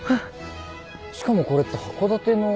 しかもこれって函館の。